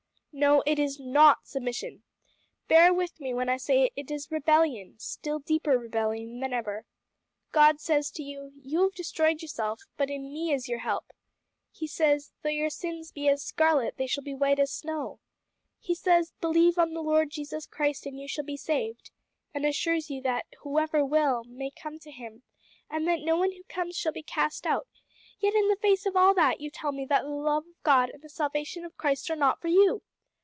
"No; it is not submission. Bear with me when I say it is rebellion, still deeper rebellion than ever. God says to you, `You have destroyed yourself but in me is your help.' He says, `Though your sins be as scarlet they shall be white as snow.' He says, `Believe on the Lord Jesus Christ and you shall be saved,' and assures you that `whoever will' may come to Him, and that no one who comes shall be cast out yet in the face of all that you tell me that the love of God and the salvation of Christ are not for you!